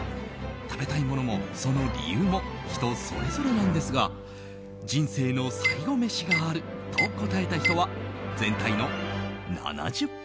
食べたいものもその理由も人それぞれなんですが人生の最後メシがあると答えた人は全体の７０％。